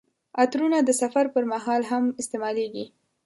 عطرونه د سفر پر مهال هم استعمالیږي.